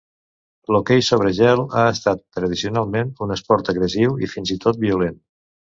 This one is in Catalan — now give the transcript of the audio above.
L'hoquei sobre gel ha estat, tradicionalment, un esport agressiu i fins i tot violent.